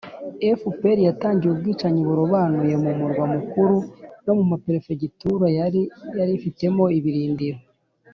fpr yatangiye ubwicanyi burobanuye mu murwa mukuru no mu maperefegitura yari yari ifitemo ibirindiro